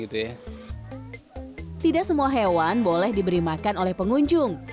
tidak semua hewan boleh diberi makan oleh pengunjung